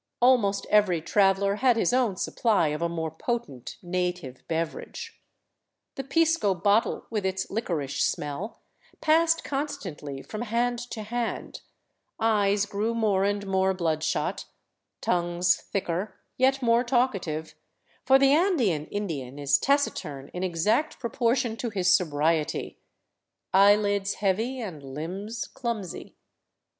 Almost every traveler had his own «ttpply of a more potent native beverage. The pisco bottle with its Kcorish smell passed constantly from hand to hand, eyes grew more Jmd more bloodshot, tongues thicker, yet more talkative — for the 339 VAGABONDING DOWN THE ANDES Andean Indian is taciturn in exact proportion to his sobriety — eye lids heavy, and limbs clumsy.